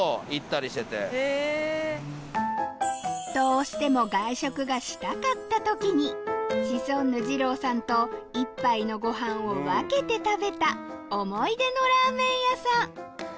どうしても外食がしたかった時にシソンヌ・じろうさんと１杯のご飯を分けて食べた思い出のラーメン屋さん